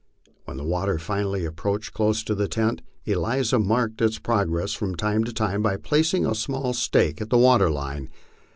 When the water finally approached close to the tent, Eliza marked its por gress from time to time by placing small stakes at the water line.